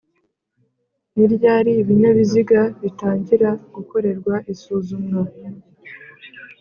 ni ryari Ibinyabiziga bitangira gukorerwa isuzumwa